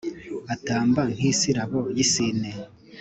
Atamba nk’isirabo y’isine